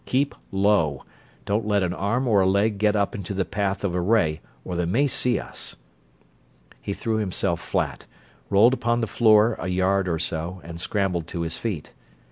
Keep low don't let an arm or a leg get up into the path of a ray or they may see us." He threw himself flat, rolled upon the floor a yard or so, and scrambled to his feet.